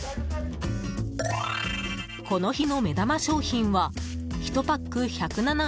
この日の目玉商品は１パック１０７円